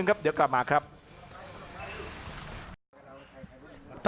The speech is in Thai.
อัศวินาศาสตร์